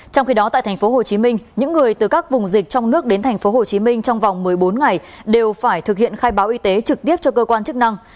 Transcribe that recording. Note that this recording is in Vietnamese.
trong khi đó tại thành phố hồ chí minh những người từ các vùng dịch trong nước đến thành phố hồ chí minh trong vòng một mươi bốn ngày đều phải thực hiện khai báo y tế trực tiếp cho cơ quan chức năng